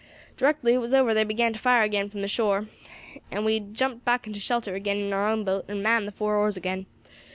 Directly it was over they began to fire agin from the shore, and we jumped back into shelter agin in our own boat and manned the four oars agin.